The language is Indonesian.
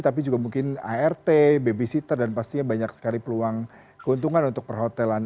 tapi juga mungkin art babysitter dan pastinya banyak sekali peluang keuntungan untuk perhotelan